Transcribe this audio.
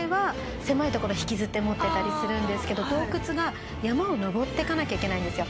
狭い所引きずって持ってたりするんですけど洞窟が山を登っていかなきゃいけないんですよ。